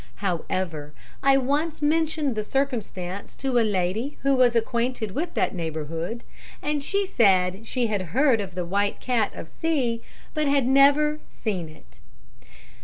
"However, I once mentioned the circumstance to a lady who was acquainted with that neighbourhood, and she said she had heard of the white cat of C , but had never seen it."